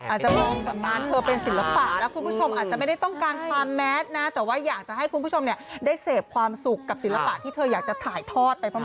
อาจจะมองแบบงานเธอเป็นศิลปะแล้วคุณผู้ชมอาจจะไม่ได้ต้องการความแมทนะแต่ว่าอยากจะให้คุณผู้ชมเนี่ยได้เสพความสุขกับศิลปะที่เธออยากจะถ่ายทอดไปประมาณ